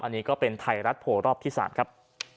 อันนี้ก็เป็นไทยรัฐโพลรอบที่๓ครับ